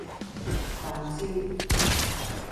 飯焦